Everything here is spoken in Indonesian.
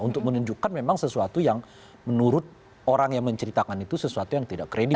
untuk menunjukkan memang sesuatu yang menurut orang yang menceritakan itu sesuatu yang tidak kredit